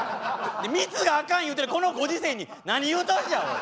密があかん言うてるこのご時世に何言うとんじゃおい！